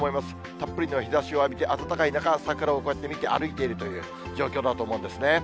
たっぷりの日ざしを浴びて、暖かい中、桜をこうやって見て、歩いているという状況だと思うんですね。